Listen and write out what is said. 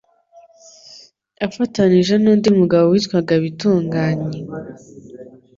afatanije n'undi mugabo witwaga Bituganyi;